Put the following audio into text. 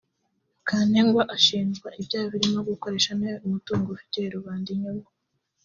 Kantengwa ashinjwa ibyaha birimo gukoresha nabi umutungo ufitiye rubanda inyungu